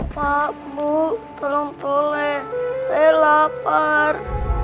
hai bu tolong oleh eh lapar